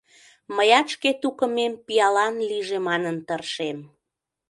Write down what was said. Мыят шке тукымем пиалан лийже манын тыршем.